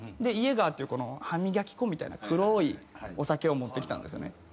イエーガーっていう歯磨き粉みたいな黒いお酒を持ってきたんですよね。